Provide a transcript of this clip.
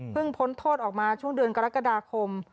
พ้นโทษออกมาช่วงเดือนกรกฎาคม